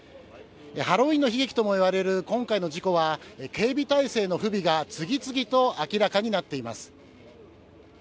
ハロウィーンの悲劇ともいわれる今回の事故は、警備態勢の不備が次々と明らかになっています。